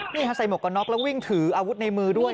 นี่ค่ะใส่หมวกกันน็อกแล้ววิ่งถืออาวุธในมือด้วย